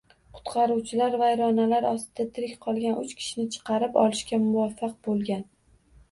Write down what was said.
Qutqaruvchilar vayronalar ostida tirik qolgan uch kishini chiqarib olishga muvaffaq bo‘lgan